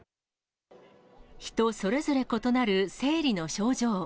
人それぞれ異なる生理の症状。